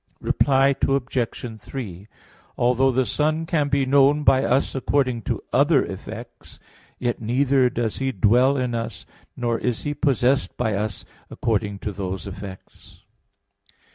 Reply Obj. 3: Although the Son can be known by us according to other effects, yet neither does He dwell in us, nor is He possessed by us according to those effects.